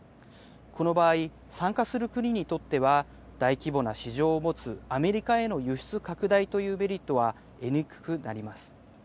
この場合、参加する国にとっては大規模な市場を持つアメリカへの輸出拡大というメリットは得にくくなります。